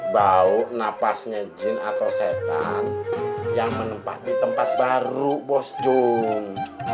bau napasnya jin atau setan yang menempati tempat baru bosjo